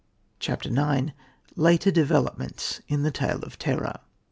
CHAPTER IX LATER DEVELOPMENTS OF THE TALE OF TERROR.